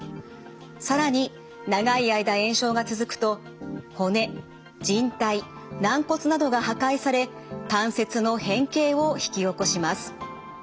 更に長い間炎症が続くと骨じん帯軟骨などが破壊され関節の変形を引き起こします。